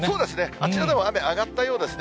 あちらでも雨上がったようですね。